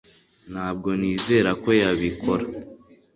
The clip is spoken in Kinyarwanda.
Ntabwo nizera ko yabikora